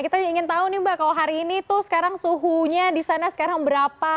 kita ingin tahu nih mbak kalau hari ini tuh sekarang suhunya di sana sekarang berapa